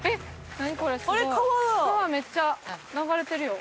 川めっちゃ流れてるよ。